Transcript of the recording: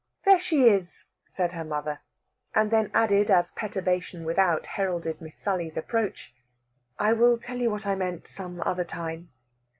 "There she is!" said her mother; and then added, as perturbation without heralded Miss Sally's approach: "I will tell you what I meant some other time."